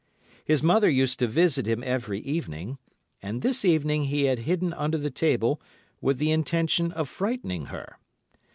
His mother used to visit him every evening, and this evening he had hidden under the table with the intention of frightening her.